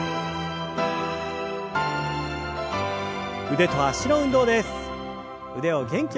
腕と脚の運動です。